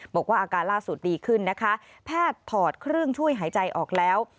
บอกว่าอาการล่าสุดดีขึ้นนะคะแพทย์ถอดเครื่องช่วยหายใจออกแล้ว